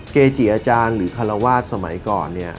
เกจียจางหรือฮารวาสสมัยก่อน